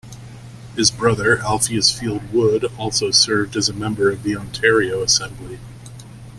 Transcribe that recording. His brother Alpheus Field Wood also served as a member of the Ontario assembly.